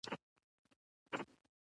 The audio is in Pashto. پر دېوال رسم شوې رسامۍ بدې نه وې.